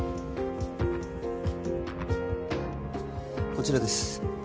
こちらです